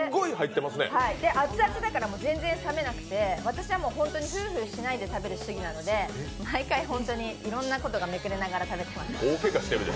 熱々だから全然冷めなくて私はフーフーしないで食べる主義なので毎回ホントにいろんなところがめくれながら食べてます。